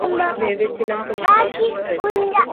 ভেবেছিলাম তোমার পছন্দ হয়েছে।